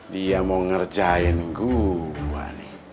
dia mau ngerjain gue nih